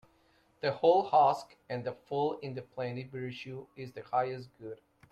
The hull husk and the full in plenty Virtue is the highest good.